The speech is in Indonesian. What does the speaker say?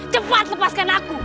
cepat lepaskan aku